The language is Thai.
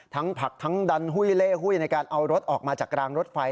ผักทั้งดันหุ้ยเล่หุ้ยในการเอารถออกมาจากรางรถไฟ